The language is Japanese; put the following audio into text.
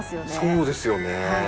そうですよね。